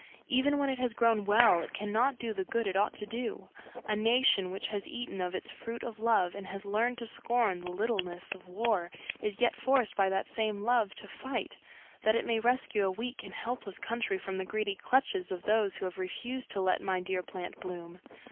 Even when it has grown well it cannot do the good it ought to do: a nation which has eaten of its Fruit of Love and has learned to scorn the littleness of war is yet forced by that same Love to fight, that it may rescue a weak and helpless country from the greedy clutches of those who have refused to let my dear plant bloom.